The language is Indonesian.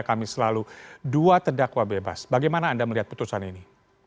kami selalu dua terdakwa bebas bagaimana anda melihat putusan ini